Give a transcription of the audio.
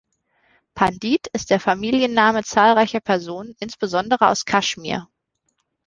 Pandit ist der Familienname zahlreicher Personen, insbesondere aus Kashmir.